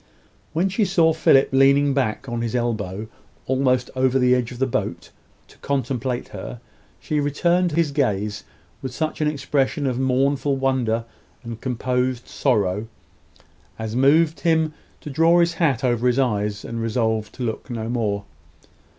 When she saw Philip leaning back on his elbow, almost over the edge of the boat, to contemplate her, she returned his gaze with such an expression of mournful wonder and composed sorrow, as moved him to draw his hat over his eyes, and resolve to look no more.